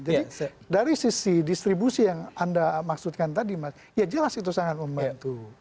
jadi dari sisi distribusi yang anda maksudkan tadi mas ya jelas itu sangat membantu